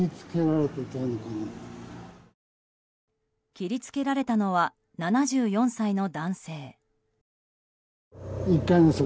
切り付けられたのは７４歳の男性。